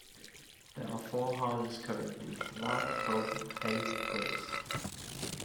There are four houses currently: Love, Hope, Faith, Grace.